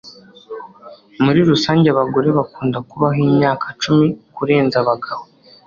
Muri rusange, abagore bakunda kubaho imyaka icumi kurenza abagabo.